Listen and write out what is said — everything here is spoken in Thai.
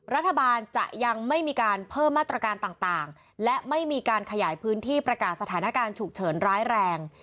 รัฐบาลจะยังไม่มีการเพิ่มมาตรการต่างและไม่มีการขยายพื้นที่ประกาศสถานการณ์ฉุกเฉินร้ายแรง